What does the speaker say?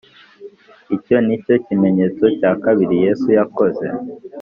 Icyo ni cyo kimenyetso cya kabiri Yesu yakoze